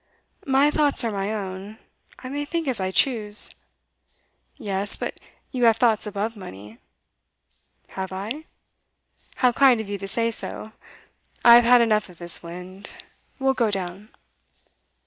'My thoughts are my own. I may think as I choose.' 'Yes. But you have thoughts above money.' 'Have I? How kind of you to say so. I've had enough of this wind; we'll go down.